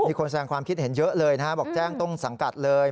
คนแสงความคิดเห็นเยอะเลยนะฮะบอกแจ้งต้นสังกัดเลย